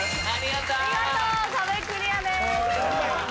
見事壁クリアです。